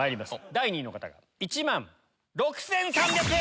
第２位の方が１万６３００円！